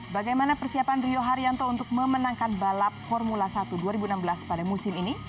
bagaimana persiapan rio haryanto untuk memenangkan balap formula satu dua ribu enam belas pada musim ini